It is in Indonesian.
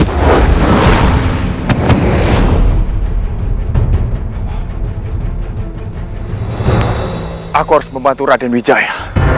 aku harus membantu raden wijaya